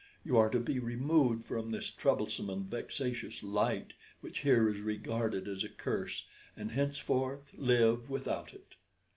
You are to be removed from this troublesome and vexatious light, which here is regarded as a curse, and henceforth live without it.